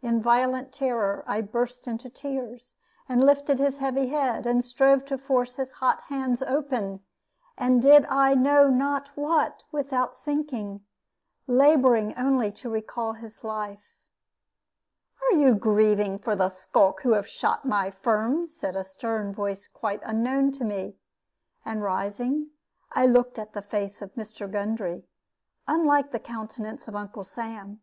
In violent terror, I burst into tears, and lifted his heavy head, and strove to force his hot hands open, and did I know not what, without thinking, laboring only to recall his life. "Are you grieving for the skulk who has shot my Firm?" said a stern voice quite unknown to me; and rising, I looked at the face of Mr. Gundry, unlike the countenance of Uncle Sam.